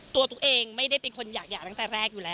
ตุ๊กเองไม่ได้เป็นคนอยากหย่าตั้งแต่แรกอยู่แล้ว